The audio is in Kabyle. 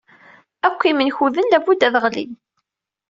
Akk imenkuden labudd ad ɣlin.